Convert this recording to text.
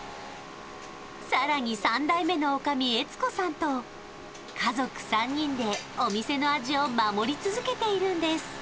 さらに３代目の女将悦子さんと家族３人でお店の味を守り続けているんです